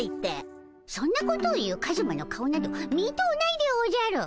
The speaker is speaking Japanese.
そんなことを言うカズマの顔など見とうないでおじゃる。